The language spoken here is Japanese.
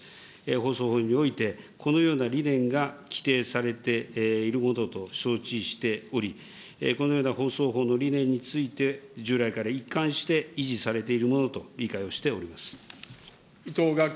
放送法において、このような理念が規定されているものと承知しており、このような放送法の理念について、従来から一貫して維持されているものと理解しております。